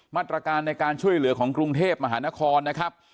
มาตรการในการช่วยเหลือของกรุงเทพมหานครนะครับ